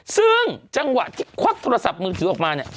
ซึ่งจังหวะที่ควักโทรศัพท์มือถือออกมาเนี่ย